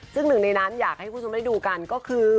ซึ่งหนึ่งในนั้นอยากให้คุณผู้ชมได้ดูกันก็คือ